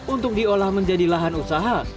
untuk diolah menjadi lahan usaha